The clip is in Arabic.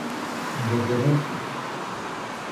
مجدداً.